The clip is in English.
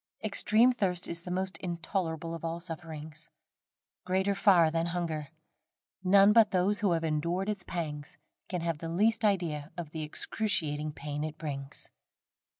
Extreme thirst is the most intolerable of all sufferings greater far than hunger. None but those who have endured its pangs, can have the least idea of the excruciating pain it brings.